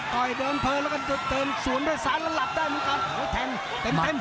ต่อยเพลินแล้วก็จะเติมสูญด้วยสารระหลับได้